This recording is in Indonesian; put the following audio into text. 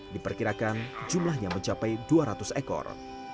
diperkirakan jumlahnya mencapai dua ratus ekor